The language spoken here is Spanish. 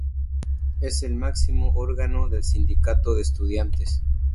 Es el máximo órgano del Sindicato de Estudiantes.